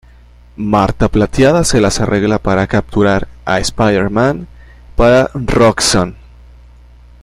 Marta Plateada se las arregla para capturar a Spider-Man para Roxxon.